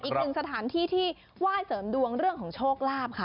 อีกหนึ่งสถานที่ที่ไหว้เสริมดวงเรื่องของโชคลาภค่ะ